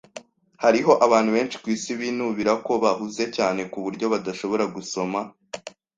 Hariho abantu benshi kwisi binubira ko bahuze cyane kuburyo badashobora gusoma.